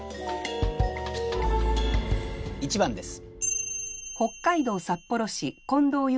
１番です。